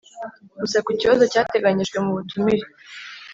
gusa ku kibazo cyateganyijwe mu butumire